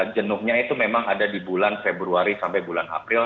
jenuhnya itu memang ada di bulan februari sampai bulan april